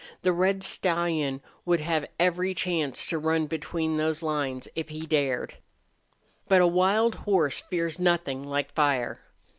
The red stallion would have every chance to run between those lines, if he dared. But a wild horse fears nothing like fire.